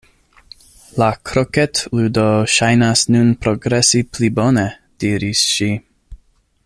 "La kroketludo ŝajnas nun progresi pli bone," diris ŝi.